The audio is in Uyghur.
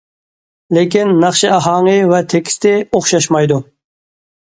لېكىن، ناخشا ئاھاڭى ۋە تېكىستى ئوخشاشمايدۇ.